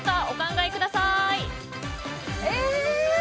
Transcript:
お考えください。